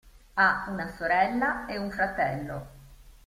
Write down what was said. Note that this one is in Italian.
Ha una sorella e un fratello.